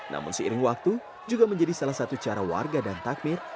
namun seiring waktu juga menjadi salah satu cara warga dan takmir